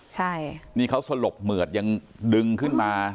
ใช่นี่เขาสลบเหมือดยังดึงขึ้นมา